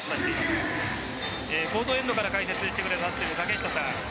コートエンドから解説してくれている竹下さん